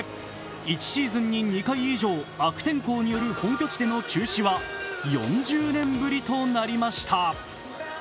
１シーズンに２回以上、悪天候による本拠地での中止は４０年ぶりとなりました。